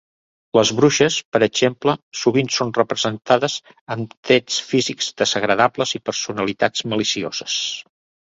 Les bruixes, per exemple, sovint són representades amb trets físics desagradables i personalitats malicioses.